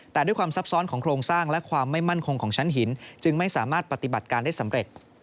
แต่ด้วยความซับซ้อนของโครงสร้างและความไม่มั่นคงของชั้นหินจึงไม่สามารถปฏิบัติการได้สำเร็จ